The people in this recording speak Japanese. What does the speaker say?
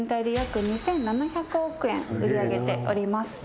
売上げております